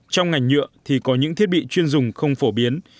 trong ngành nhựa thì có những thiết bị chuyên dùng không phổ biến